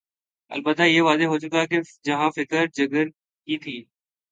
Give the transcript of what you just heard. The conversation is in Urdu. البتہ یہ واضح ہو چکا کہ جہاں فکر جگر کی تھی۔